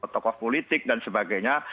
tokoh politik dan sebagainya